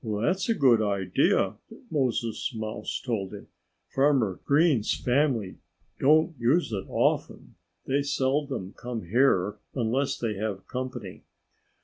"That's a good idea," Moses Mouse told him. "Farmer Green's family don't use it often. They seldom come here unless they have company."